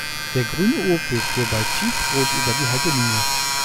Der grüne Opel fuhr bei Tiefrot über die Haltelinie.